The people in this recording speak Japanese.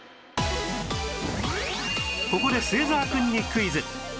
ここで末澤くんにクイズ